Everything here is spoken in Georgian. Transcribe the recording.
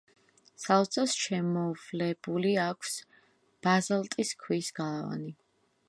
სალოცავს შემოვლებული აქვს ბაზალტის ქვის გალავანი.